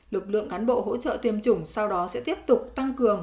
lực lượng cán bộ hỗ trợ tiêm chủng sau đó sẽ tiếp tục tăng cường